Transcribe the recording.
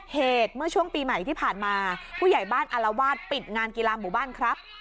เหตุเมื่อช่วงปีใหม่ที่ผ่านมาผู้ใหญ่บ้านอารวาสปิดงานกีฬาหมู่บ้านครับ